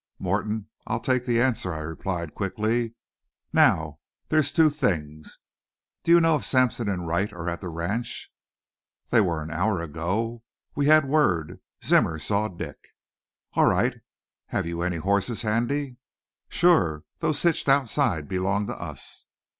"Morton, I'll take the answer," I replied quickly. "Now there're two things. Do you know if Sampson and Wright are at the ranch?" "They were an hour ago. We had word. Zimmer saw Dick." "All right. Have you any horses handy?" "Sure. Those hitched outside belong to us."